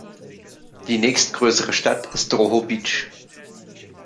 Die nächstgrößere Stadt ist Drohobytsch.